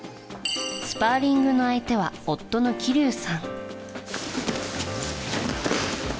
スパーリングの相手は夫の希龍さん。